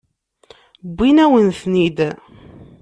Wwint-awen-ten-id.